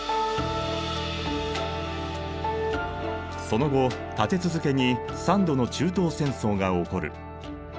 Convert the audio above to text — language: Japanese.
その後立て続けに３度の中東戦争が起こる。